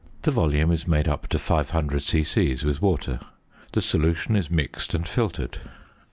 The volume is made up to 500 c.c. with water. The solution is mixed and filtered.